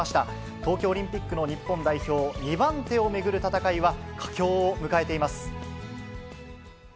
東京オリンピックの日本代表２番手を巡る戦いは佳境を迎えています。